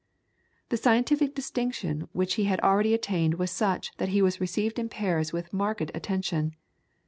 The scientific distinction which he had already attained was such that he was received in Paris with marked attention.